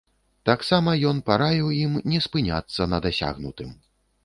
Таксама ён параіў ім не спыняцца на дасягнутым.